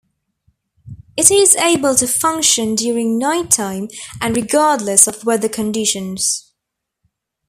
It is able to function during nighttime and regardless of weather conditions.